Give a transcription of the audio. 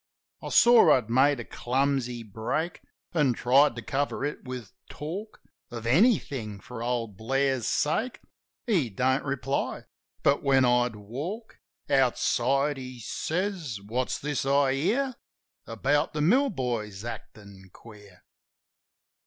I saw I'd made a clumsy break; An' tried to cover it with talk Of anything, for old Blair's sake. He don't reply; but when I'd walk Outside he says, "What's this I hear About the mill boys actin' queer?"